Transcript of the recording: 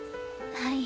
はい。